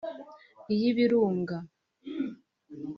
iy’Ibirunga